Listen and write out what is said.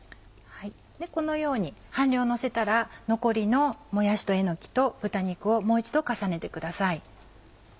このように半量のせたら残りのもやしとえのきと豚肉をもう一度重ねてください。